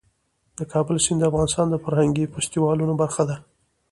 د کابل سیند د افغانستان د فرهنګي فستیوالونو برخه ده.